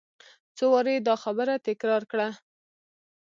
څو وارې یې دا خبره تکرار کړه.